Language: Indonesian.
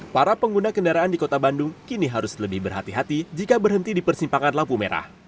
para pengguna kendaraan di kota bandung kini harus lebih berhati hati jika berhenti di persimpangan lampu merah